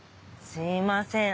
すいません